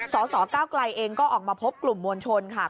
สสเก้าไกลเองก็ออกมาพบกลุ่มมวลชนค่ะ